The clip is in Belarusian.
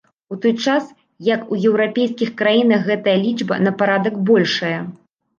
У той час, як у еўрапейскіх краінах гэтая лічба на парадак большая.